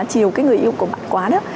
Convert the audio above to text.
chiều cái người yêu của bạn quá đó